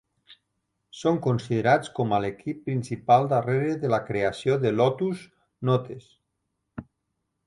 Són considerats com a l'equip principal darrere de la creació de Lotus Notes.